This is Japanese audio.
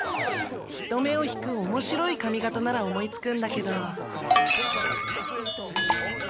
人目を引くおもしろいかみ形なら思いつくんだけど。